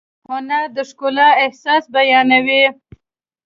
هنر د ښکلا احساس بیانوي.